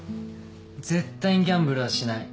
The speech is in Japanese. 絶対にギャンブルはしない。